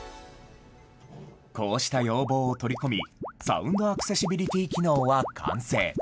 こうした要望を取り込み、サウンドアクセシビリティ機能は完成。